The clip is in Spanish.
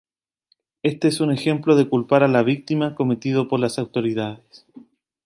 Este es un ejemplo de culpar a la víctima cometido por las autoridades.